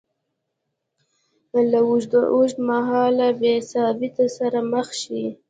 له اوږدمهاله بېثباتۍ سره مخ شي